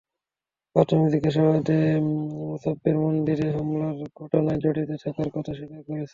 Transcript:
প্রাথমিক জিজ্ঞাসাবাদে মোছাব্বের মন্দিরে হামলার ঘটনায় জড়িত থাকার কথা স্বীকার করেছেন।